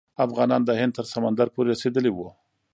افغانان د هند تر سمندر پورې رسیدلي وو.